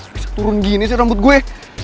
bisa turun gini sih rambut gue